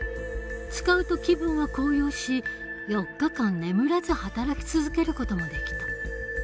使うと気分は高揚し４日間眠らず働き続ける事もできた。